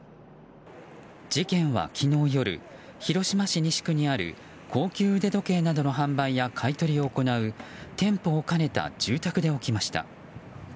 事件は昨日夜、広島市西区にある高級腕時計などの販売や買い取りを行う店舗を兼ねた住宅で起きました。